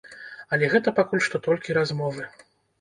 Але гэта пакуль што толькі размовы.